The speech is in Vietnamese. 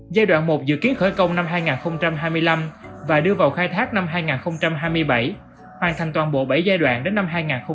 giai đoạn một dự kiến khởi công năm hai nghìn hai mươi năm và đưa vào khai thác năm hai nghìn hai mươi bảy hoàn thành toàn bộ bảy giai đoạn đến năm hai nghìn ba mươi